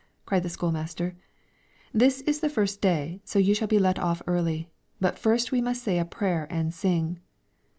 cried the school master; "this is the first day, so you shall be let off early; but first we must say a prayer and sing."